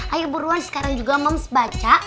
ayo buruan sekarang juga moms baca